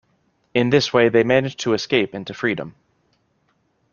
In this way they managed to escape into freedom.